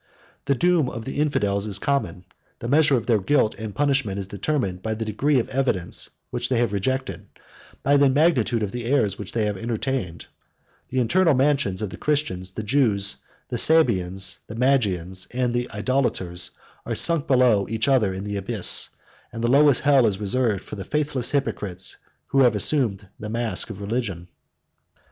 109 The doom of the infidels is common: the measure of their guilt and punishment is determined by the degree of evidence which they have rejected, by the magnitude of the errors which they have entertained: the eternal mansions of the Christians, the Jews, the Sabians, the Magians, and idolaters, are sunk below each other in the abyss; and the lowest hell is reserved for the faithless hypocrites who have assumed the mask of religion.